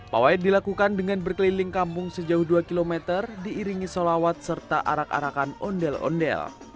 pawai dilakukan dengan berkeliling kampung sejauh dua km diiringi solawat serta arak arakan ondel ondel